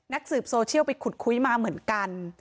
สืบโซเชียลไปขุดคุยมาเหมือนกัน